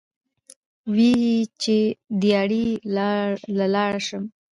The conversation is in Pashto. وې ئې چې " دیاړۍ له لاړ شم ـ